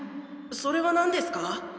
それは何ですか？